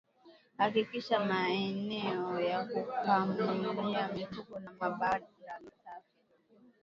Hakikisha maeneo ya kukamulia mifugo na mabanda ni safi